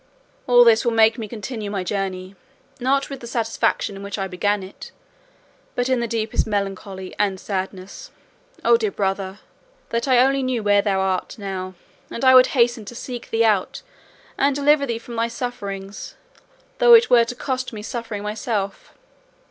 All this will make me continue my journey, not with the satisfaction in which I began it, but in the deepest melancholy and sadness. Oh dear brother! that I only knew where thou art now, and I would hasten to seek thee out and deliver thee from thy sufferings, though it were to cost me suffering myself!